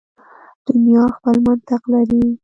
دنیا خپل منطق لري.